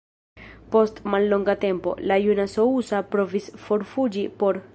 Post mallonga tempo, la juna Sousa provis forfuĝi por.